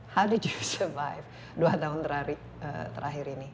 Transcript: bagaimana kamu bertahan selama dua tahun terakhir ini